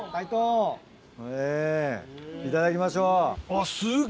いただきましょう。